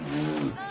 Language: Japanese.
ああ。